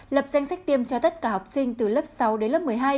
lập danh sách tiêm cho tất cả học sinh từ lớp sáu đến lớp một mươi hai